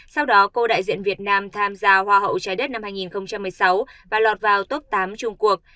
sau đó cô đại diện việt nam tham gia hoa hậu trái đất năm hai nghìn một mươi sáu và lọt vào top tám trung quốc